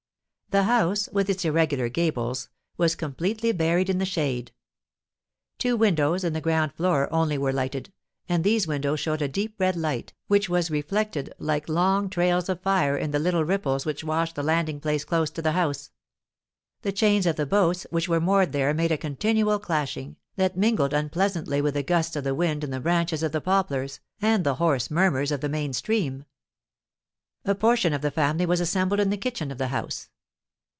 The house, with its irregular gables, was completely buried in the shade; two windows in the ground floor only were lighted, and these windows showed a deep red light, which was reflected like long trails of fire in the little ripples which washed the landing place close to the house. The chains of the boats which were moored there made a continual clashing, that mingled unpleasantly with the gusts of the wind in the branches of the poplars, and the hoarse murmurs of the main stream. A portion of the family was assembled in the kitchen of the house.